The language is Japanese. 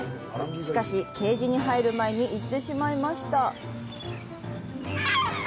しかし、ケージに入る前に行ってしまいました。